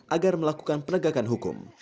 agar melakukan penegakan hukum